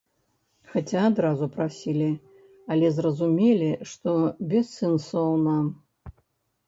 Хаця адразу прасілі, але зразумелі, што бессэнсоўна.